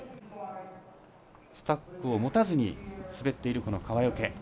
ストックを持たずに滑っている川除。